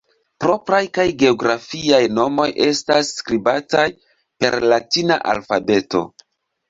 Propraj kaj geografiaj nomoj estas skribataj per latina alfabeto.